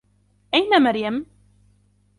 أين مريم ؟